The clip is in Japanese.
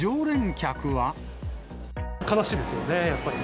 悲しいですよね、やっぱりね。